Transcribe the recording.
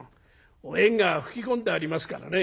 お縁側拭き込んでありますからね。